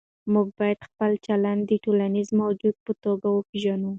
موږ باید خپل چلند د ټولنیز موجود په توګه وپېژنو.